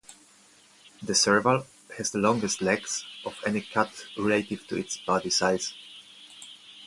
The serval has the longest legs of any cat relative to its body size.